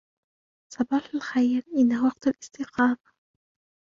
صباح الخير. إنهُ وقت الإستيقاظ.